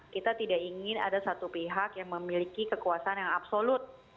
kita tidak ingin ada satu pihak yang memiliki kekuasaan yang absolut